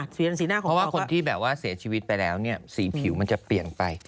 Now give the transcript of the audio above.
เพราะว่าคนที่แบบว่าเสียชีวิตไปแล้วเนี่ยสีผิวมันจะเปลี่ยนไป